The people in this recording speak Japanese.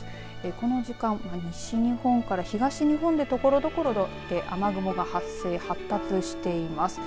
この時間西日本から東日本でところどころで雨雲が発生、発達しています。